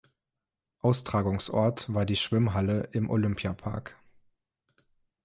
Austragungsort war die Schwimmhalle im Olympiapark.